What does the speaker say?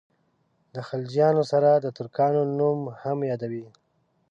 د خلجیانو سره د ترکانو نوم هم یادوي.